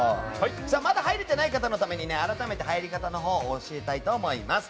まだ入れてない方のために改めて入り方をお教えしたいと思います。